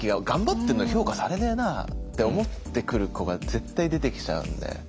頑張ってんのに評価されねえなって思ってくる子が絶対出てきちゃうんで。